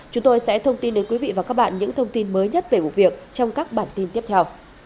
chúng tôi sẽ thông tin đến quý vị và các bạn những thông tin mới nhất về vụ việc trong các bản tin tiếp theo